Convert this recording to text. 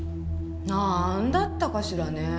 なんだったかしらねえ。